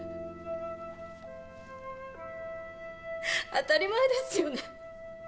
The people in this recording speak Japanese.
当たり前ですよね。